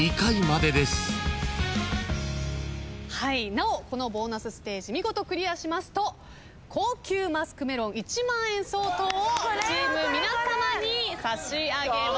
なおこのボーナスステージ見事クリアしますと高級マスクメロン１万円相当をチーム皆さまに差し上げます。